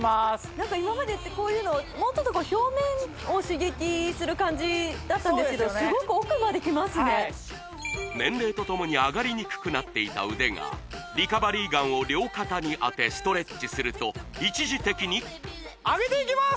何か今までってこういうのもうちょっと表面を刺激する感じだったんですけどすごく年齢とともに上がりにくくなっていた腕がリカバリーガンを両肩に当てストレッチすると一時的に上げていきます